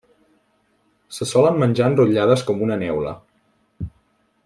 Se solen menjar enrotllades com una neula.